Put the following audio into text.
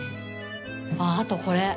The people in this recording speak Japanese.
あっ、あと、これ！